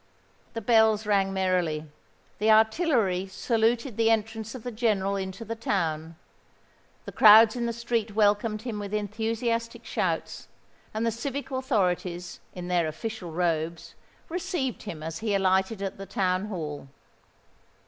The bells rang merrily; the artillery saluted the entrance of the General into the town; the crowds in the streets welcomed him with enthusiastic shouts; and the civic authorities, in their official robes, received him as he alighted at the Town Hall.